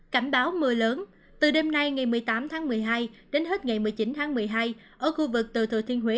cảnh báo mưa lớn từ đêm nay ngày một mươi tám tháng một mươi hai đến hết ngày một mươi chín tháng một mươi hai ở khu vực từ thừa thiên huế